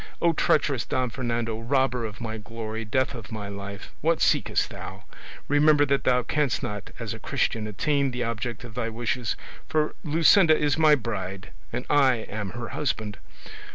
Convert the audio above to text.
O, treacherous Don Fernando! robber of my glory, death of my life! What seekest thou? Remember that thou canst not as a Christian attain the object of thy wishes, for Luscinda is my bride, and I am her husband!